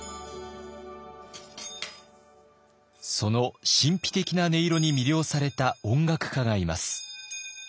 その神秘的な音色に魅了された音楽家がいます。